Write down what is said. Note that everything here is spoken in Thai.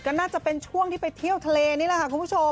ก็น่าจะเป็นช่วงที่ไปเที่ยวทะเลนี่แหละค่ะคุณผู้ชม